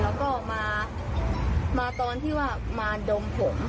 แล้วก็มาตอนที่ว่ามาดมผม